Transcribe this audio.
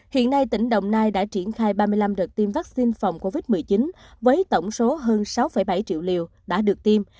hiện nay tỉnh đồng nai đã triển khai ba mươi năm đợt tiêm vaccine phòng covid một mươi chín với tổng số hơn sáu bảy triệu liều đã được tiêm